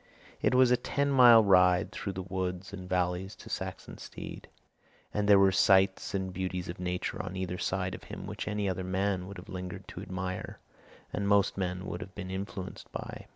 It was a ten mile ride through woods and valleys to Saxonsteade, and there were sights and beauties of nature on either side of him which any other man would have lingered to admire and most men would have been influenced by.